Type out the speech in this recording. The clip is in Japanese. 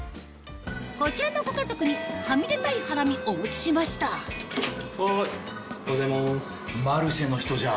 こちらのご家族にはみ出たいハラミお持ちしましたおはようございます。